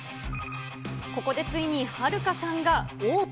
ここでついにはるかさんが王手。